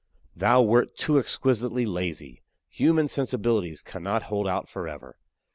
Thou wert too exquisitely lazy. Human sensibilities cannot hold out forever.